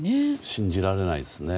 信じられないですね。